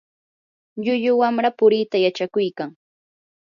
llullu wamra puriita yachakuykan.